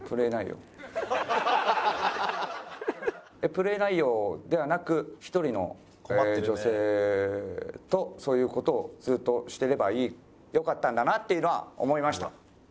プレイ内容ではなく１人の女性とそういう事をずっとしていればよかったんだなっていうのは思いました。